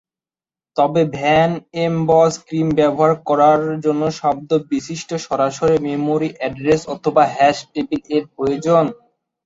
তবে van Emde Boas ক্রিম ব্যবহার করার জন্য শব্দ বিশিষ্ট সরাসরি মেমোরি অ্যাড্রেস অথবা হ্যাশ টেবিল এর প্রয়োজন।